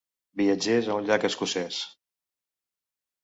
Viatgés a un llac escocès.